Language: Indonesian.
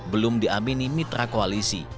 belum diamini mitra koalisi